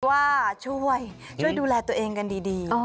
ว่าช่วยช่วยดูแลตัวเองกันดี